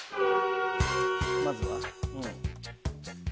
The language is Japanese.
まずは？